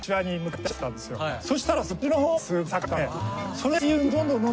そしたら。